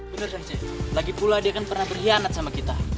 bener sensei lagipula dia kan pernah berkhianat sama kita